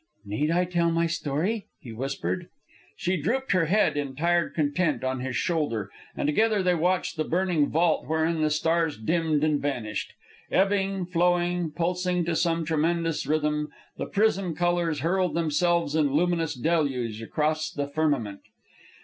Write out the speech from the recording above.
"Need I tell my story?" he whispered. She drooped her head in tired content on his shoulder, and together they watched the burning vault wherein the stars dimmed and vanished. Ebbing, flowing, pulsing to some tremendous rhythm, the prism colors hurled themselves in luminous deluge across the firmament.